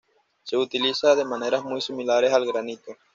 Se utiliza de maneras muy similares al granito.